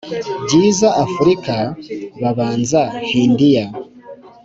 Bacyiza Afrika, babanza Hindiya;